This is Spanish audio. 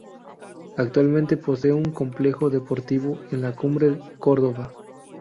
Actualmente posee un complejo deportivo en La Cumbre, Córdoba.